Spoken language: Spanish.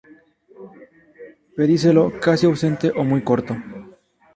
Pedicelo casi ausente o muy corto.